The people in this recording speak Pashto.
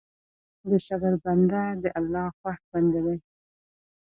د صبر بنده د الله خوښ بنده دی.